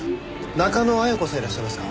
中野絢子さんいらっしゃいますか？